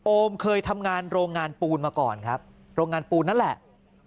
เคยทำงานโรงงานปูนมาก่อนครับโรงงานปูนนั่นแหละ